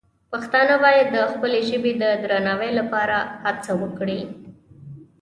پښتانه باید د خپلې ژبې د درناوي لپاره هڅه وکړي.